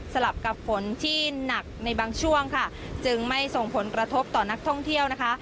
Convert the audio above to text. กับฝนที่หนักในบางช่วงค่ะจึงไม่ส่งผลกระทบต่อนักท่องเที่ยวนะคะ